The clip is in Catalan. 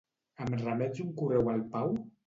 Em remets un correu al Pau?